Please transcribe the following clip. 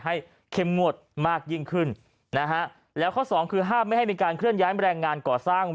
เข้มงวดมากยิ่งขึ้นนะฮะแล้วข้อสองคือห้ามไม่ให้มีการเคลื่อนย้ายแรงงานก่อสร้าง